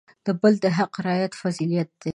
د بل د حق رعایت فضیلت دی.